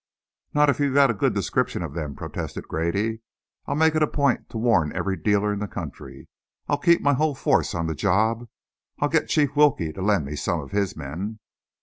"Not if you've got a good description of them," protested Grady. "I'll make it a point to warn every dealer in the country; I'll keep my whole force on the job; I'll get Chief Wilkie to lend me some of his men...."